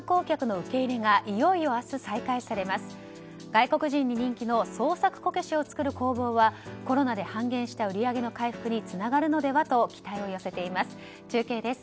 外国人に人気の創作こけしを作る工房はコロナで半減した売り上げの回復につながるのではと期待を寄せています。